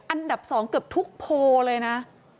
อันดับ๒เกือบทุกโพลเลยนะ